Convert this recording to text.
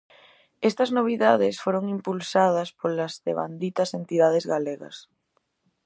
Estas novidades foron impulsadas polas devanditas entidades galegas.